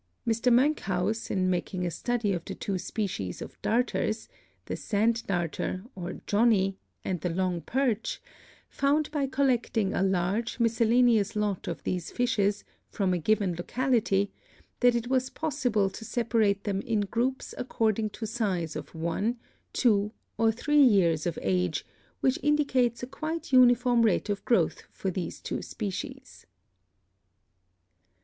Mr. Moenkhaus, in making a study of the two species of darters, the Sand Darter or "Johnny," and the Log Perch, found by collecting a large, miscellaneous lot of these fishes, from a given locality, that it was possible to separate them in groups according to size of one, two or three years of age, which indicates a quite uniform rate of growth for these two species.